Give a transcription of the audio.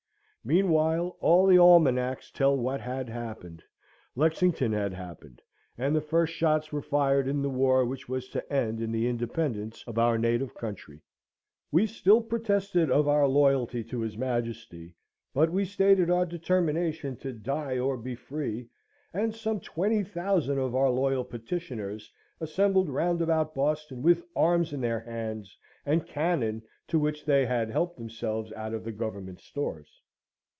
Meanwhile, all the almanacs tell what had happened. Lexington had happened, and the first shots were fired in the war which was to end in the independence of our native country. We still protested of our loyalty to his Majesty; but we stated our determination to die or be free; and some twenty thousand of our loyal petitioners assembled round about Boston with arms in their hands and cannon, to which they had helped themselves out of the Government stores.